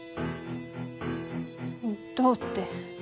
どうって。